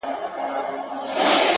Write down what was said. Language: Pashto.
دادی بیا نمک پاسي ده، پر زخمونو د ځپلو.